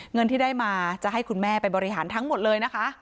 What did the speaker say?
เงินที่ได้มาจะให้คุณแม่ไปบริหารทั้งหมดเลยนะคะ